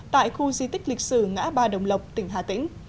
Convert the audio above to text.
tại khu di tích lịch sử ngã ba đồng lộc tỉnh hà tĩnh